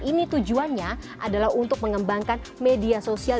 ini tujuannya adalah untuk mengembangkan media sosial